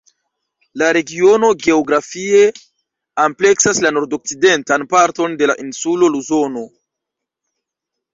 La regiono geografie ampleksas la nordokcidentan parton de la insulo Luzono.